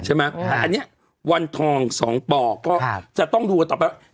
ใช่ไหมอ่าอันเนี้ยวันทองสองป่อก็ครับจะต้องดูกับต่อไป